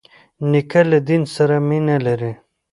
نیکه له دین سره مینه لري.